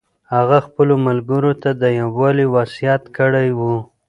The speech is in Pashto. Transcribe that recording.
هغه خپلو ملګرو ته د یووالي وصیت کړی و.